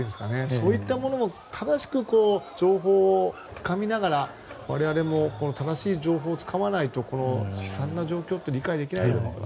そういったものも正しく情報をつかみながら我々も正しい情報をつかまないとこの悲惨な状況って理解できないだろうなと。